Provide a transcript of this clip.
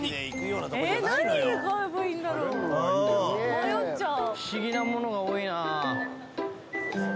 迷っちゃう。